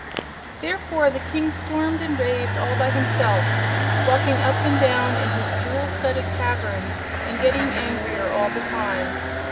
Therefore the King stormed and raved all by himself, walking up and down in his jewel studded cavern and getting angrier all the time.